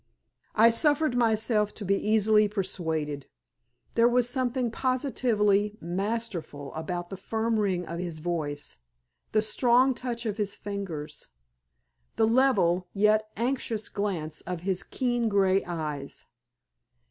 I suffered myself to be easily persuaded. There was something positively masterful about the firm ring of his voice, the strong touch of his fingers, the level, yet anxious glance of his keen, grey eyes.